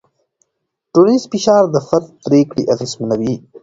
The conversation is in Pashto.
ټولنیز فشار د فرد پرېکړې اغېزمنوي.